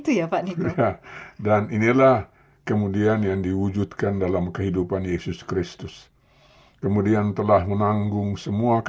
sampai bertemu kembali dalam program yang sama minggu depan